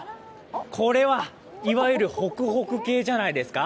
これはいわゆるほくほく系じゃないですか？